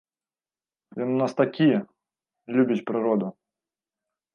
Ён у нас такі, любіць прыроду.